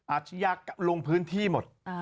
อัจยกลงพื้นที่หมด